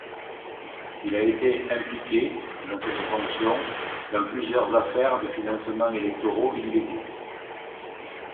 Il a été impliqué, dans cette fonction dans plusieurs affaires de financements électoraux illégaux.